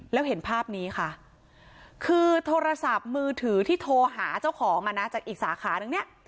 แล้วเห็นภาพนี้ค่ะคือโทรศัพท์มือถือที่โทรหาเจ้าของอ่ะนะจากอีกสาขานึงเนี่ย